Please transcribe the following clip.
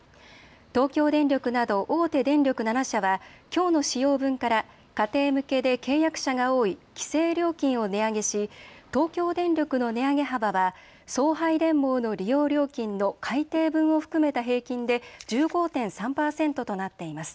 東京電力など大手電力７社はきょうの使用分から家庭向けで契約者が多い規制料金を値上げし東京電力の値上げ幅は送配電網の利用料金の改定分を含めた平均で１５．３％となっています。